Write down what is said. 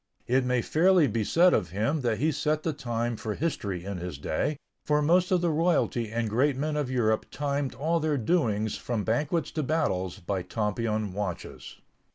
It may fairly be said of him that he set the time for history in his day, for most of the royalty and great men of Europe timed all their doings from banquets to battles by Tompion watches.